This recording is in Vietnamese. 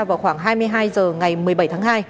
vào khoảng hai mươi hai h ngày một mươi bảy tháng hai